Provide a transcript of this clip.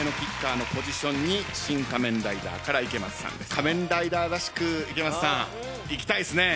仮面ライダーらしく池松さんいきたいですね。